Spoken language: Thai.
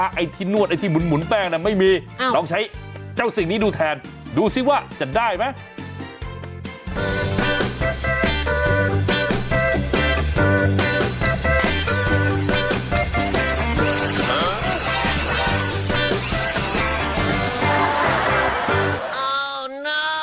ไอ้ที่นวดไอ้ที่หมุนแป้งไม่มีลองใช้เจ้าสิ่งนี้ดูแทนดูสิว่าจะได้ไหม